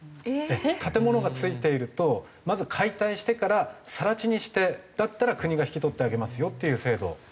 建物がついているとまず解体してから更地にしてだったら国が引き取ってあげますよっていう制度。